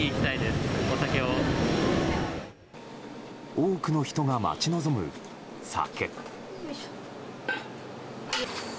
多くの人が待ち望む、酒。